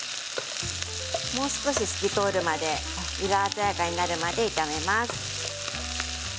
もう少し透き通るまで色鮮やかになるまで炒めます。